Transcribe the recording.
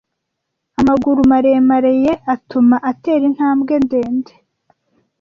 Amaguru maremare ye atuma atera intambwe ndende